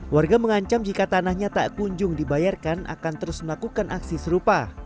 warga mengancam jika tanahnya tak kunjung dibayarkan akan terus melakukan aksi serupa